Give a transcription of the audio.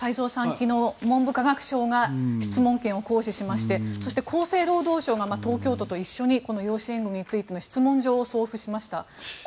昨日、文部科学省が質問権を行使しましてそして、厚生労働省が東京都と一緒にこの養子縁組についての質問状を送付しました。